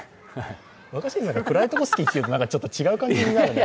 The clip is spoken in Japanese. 若新さんが暗いところ好きっていうと違う感じになるな。